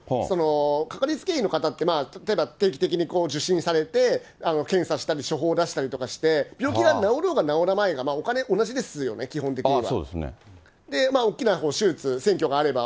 掛かりつけ医の方って、例えば定期的に受診されて、検査したり処方出したりとかして、病気が治ろうが治りまいがお金同じですよね、基本的には。